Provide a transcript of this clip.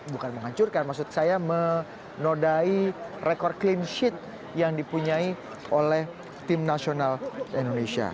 bukan menghancurkan maksud saya menodai rekor clean sheet yang dipunyai oleh tim nasional indonesia